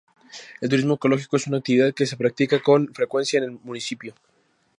El turismo ecológico es una actividad que se practica con frecuencia en el municipio.